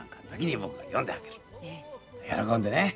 喜んでね。